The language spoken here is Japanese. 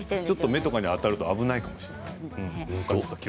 目とかに当たると危ないかもしれない。